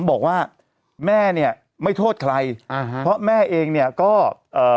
บอกว่าแม่เนี่ยไม่โทษใครอ่าฮะเพราะแม่เองเนี่ยก็เอ่อ